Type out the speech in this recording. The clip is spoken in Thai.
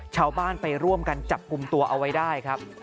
ชาวบ้านไปร่วมกันจับกลุ่มตัวเอาไว้ได้ครับ